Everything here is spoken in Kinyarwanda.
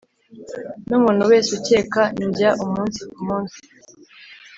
numuntu wese ukeka, njya umunsi kumunsi.